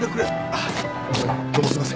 あっホントにどうもすいません。